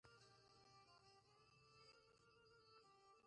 درد ورو ورو عادت کېږي.